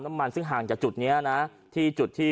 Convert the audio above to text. น้ำมันซึ่งห่างจากจุดนี้นะที่จุดที่